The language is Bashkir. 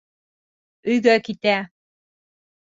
Өйгә китә.